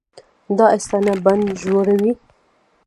دا ستاینه بند ژوروي.